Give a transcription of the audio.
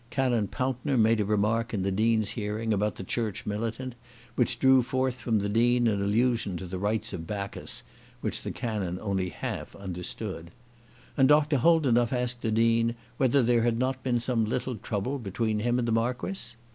Canon Pountner made a remark in the Dean's hearing about the Church militant, which drew forth from the Dean an allusion to the rites of Bacchus, which the canon only half understood. And Dr. Holdenough asked the Dean whether there had not been some little trouble between him and the Marquis.